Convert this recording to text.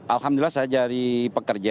alhamdulillah saya dari pekerja